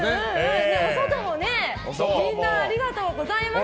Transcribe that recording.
お外もみんなありがとうございます。